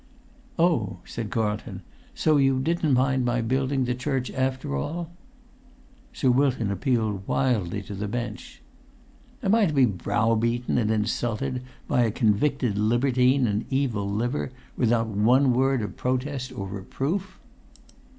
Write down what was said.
"Oh!" said Carlton; "so you didn't mind my building the church after all?" Sir Wilton appealed wildly to the Bench. "Am I to be browbeaten and insulted, by a convicted libertine and evil liver, without one word of protest or reproof?"